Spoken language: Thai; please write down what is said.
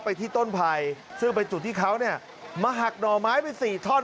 ที่ต้นไผ่ซึ่งเป็นจุดที่เขาเนี่ยมาหักหน่อไม้ไปสี่ท่อน